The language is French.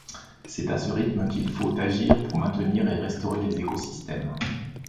C'est à ce rythme qu'il faut agir pour maintenir et restaurer les écosystèmes.